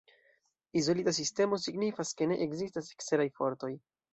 Izolita sistemo, signifas, ke ne ekzistas eksteraj fortoj.